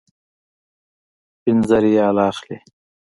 پنځه ریاله اخلي.